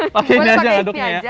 pakain aja aduknya ya